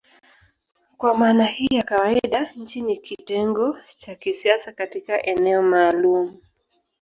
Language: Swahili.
Kwa maana hii ya kawaida nchi ni kitengo cha kisiasa katika eneo maalumu.